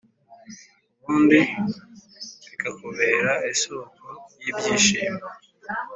ubundi bikakubera isooko y’ibyishimo